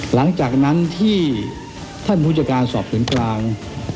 หลังจากนั้นที่ท่านผู้จัดการสอบสวนกลาง